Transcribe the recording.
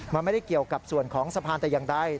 มันไม่ได้เกี่ยวกับส่วนของสะพานแต่อย่างใด